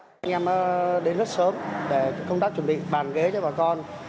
anh em đến rất sớm để công tác chuẩn bị bàn ghế cho bà con